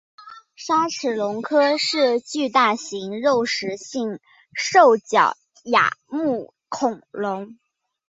鲨齿龙科是群大型肉食性兽脚亚目恐龙。